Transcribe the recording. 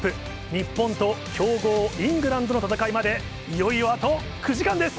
日本と強豪イングランドの戦いまで、いよいよあと９時間です。